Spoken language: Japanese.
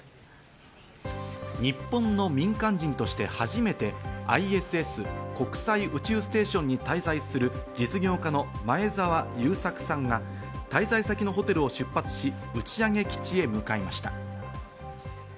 日本の民間人として初めてＩＳＳ＝国際宇宙ステーションに滞在する実業家の前澤友作さんが滞在先のホテルを出発し、打ち上げ基地へ向かいました。